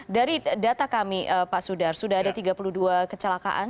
dari data kami pak sudar sudah ada tiga puluh dua kecelakaan